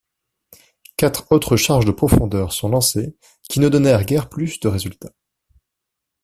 Quatre autres charges de profondeur sont lancées qui ne donnèrent guère plus de résultats.